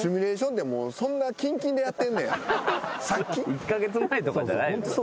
１カ月前とかじゃないの？